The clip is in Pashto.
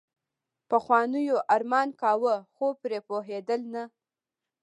پخوانیو يې ارمان کاوه خو پرې پوهېدل نه.